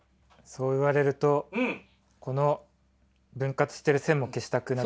そう言われるとこの分割してる線も消したくなってきました。